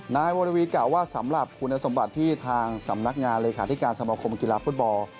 นายวรวีกล่าวว่าสำหรับคุณสมบัติที่ทางสำนักงานเลขาธิการสมคมกีฬาฟุตบอล